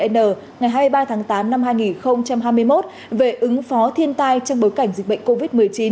n ngày hai mươi ba tháng tám năm hai nghìn hai mươi một về ứng phó thiên tai trong bối cảnh dịch bệnh covid một mươi chín